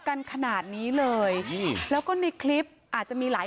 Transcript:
ผมต้องเลือกหน่อย